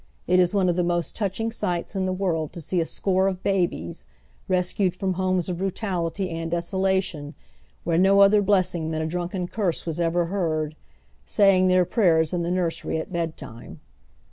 It is one of the most touching eights in the world to see a score of babies, rescued froTii homes of brutality and desolation, where no otlier blessing than a di'unken curse was ever heard, saying tlieir prayei s in the nursery at bedtime.